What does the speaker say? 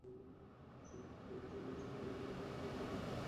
শুধু তাহাই নয়, সে-যুগের অনুরূপ ঘটনাবলী আমরা এযুগেও ঘটিতে দেখি।